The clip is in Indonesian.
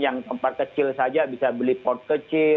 yang tempat kecil saja bisa beli port kecil